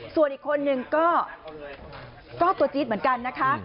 ส่วนอีกคนนึงก็ตัวจี๊ดเหมือนกันนะคะ